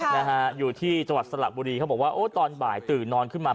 นะฮะอยู่ที่จังหวัดสระบุรีเขาบอกว่าโอ้ตอนบ่ายตื่นนอนขึ้นมา